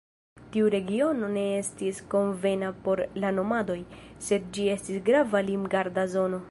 Tiu regiono ne estis konvena por la nomadoj, sed ĝi estis grava limgarda zono.